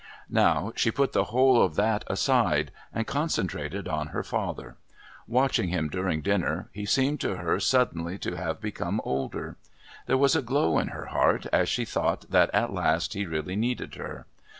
Now she put the whole of that aside and concentrated on her father. Watching him during dinner, he seemed to her suddenly to have become older; there was a glow in her heart as she thought that at last he really needed her.